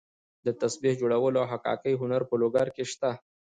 د تسبیح جوړولو او حکاکۍ هنر په لوګر کې شته.